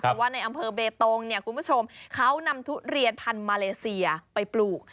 เพราะว่าในอำเภอเบตงเนี่ยคุณผู้ชมเขานำทุเรียนพันธุ์มาเลเซียไปปลูก